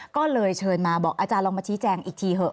ก็เลยเชิญมาบอกอาจารย์ลองมาชี้แจงอีกทีเถอะ